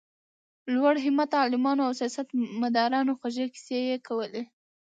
د لوړ همته عالمانو او سیاست مدارانو خوږې کیسې یې کولې.